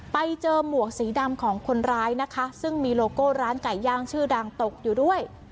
ไปเจอหมวกสีดำของคนร้ายนะคะซึ่งมีโลโก้ร้านไก่ย่างชื่อดังตกอยู่ด้วย